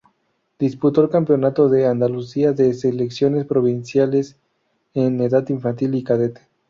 Disputó el campeonato de Andalucía de Selecciones provinciales en edad Infantil y Cadete.